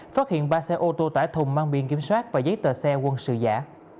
phát hiện ba xe ô tô tải thùng mang biên kiểm soát và giấy tờ xe quân sự giả